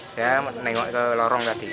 saya menengok ke lorong tadi